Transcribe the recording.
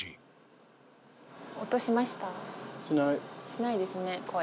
しないですね声。